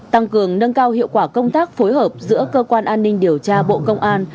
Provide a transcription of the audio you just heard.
tăng cường nâng cao hiệu quả công tác phối hợp giữa cơ quan an ninh điều tra bộ công an